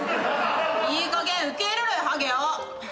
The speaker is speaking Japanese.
いいかげん受け入れろよはげを！